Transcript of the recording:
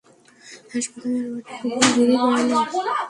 হাসপাতালের ওয়ার্ডে কুকুর ঘুরে বেড়ালেও এখানে সময়মতো চিকিৎসক পাওয়া যায় না।